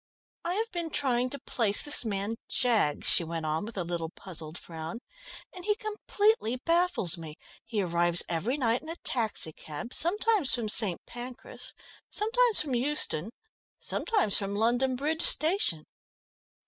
"I have been trying to place this man Jaggs," she went on with a little puzzled frown, "and he completely baffles me. He arrives every night in a taxicab, sometimes from St. Pancras, sometimes from Euston, sometimes from London Bridge Station."